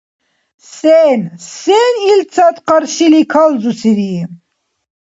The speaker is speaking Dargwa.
Сен? Сен илцад къаршили калзусири?